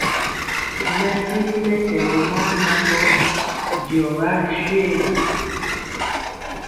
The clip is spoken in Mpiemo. Ri mesili mɛtɛgɔ maa naŋgɔ, diɔga ri shoégu.